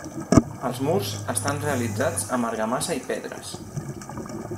Els murs estan realitzats amb argamassa i pedres.